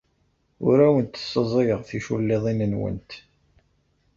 Ur awent-ssaẓayeɣ ticulliḍin-nwent.